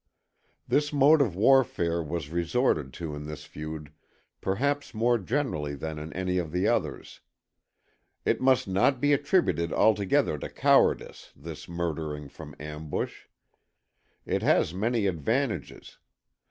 This mode of warfare was resorted to in this feud perhaps more generally than in any of the others. It must not be attributed altogether to cowardice this murdering from ambush. It has many advantages.